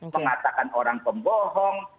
mengatakan orang pembohong